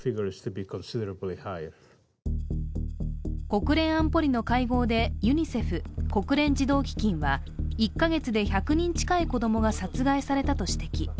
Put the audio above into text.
国連安保理の会合でユニセフ＝国連児童基金は１カ月で１００人近い子供が殺害されたと指摘。